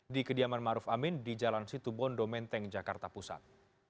di kediaman maruf amin di jalan situbondo menteng jakarta pusat